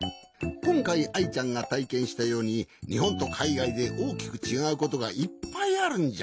こんかいアイちゃんがたいけんしたようににほんとかいがいでおおきくちがうことがいっぱいあるんじゃ。